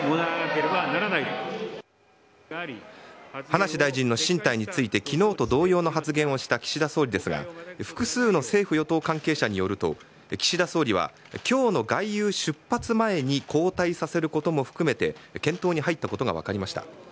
葉梨大臣の進退について昨日と同様の発言をした岸田総理ですが複数の政府与党関係者によると岸田総理は、今日の外遊出発前に交代させることも含めて検討に入ったことが分かりました。